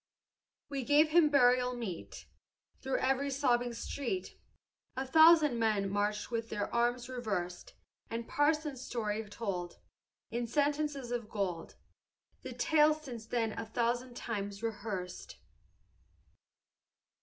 "We gave him burial meet; Through every sobbing street A thousand men marched with their arms reversed; And Parson Story told, In sentences of gold, The tale since then a thousand times rehearsed."